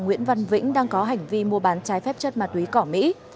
nguyễn văn vĩnh đang có hành vi mua bán trái phép chất ma túy cỏ mỹ